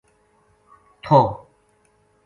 تھو